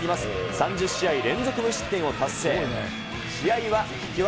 ３０試合連続無失点を達成。